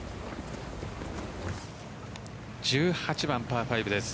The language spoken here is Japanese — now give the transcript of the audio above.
１８番パー５です。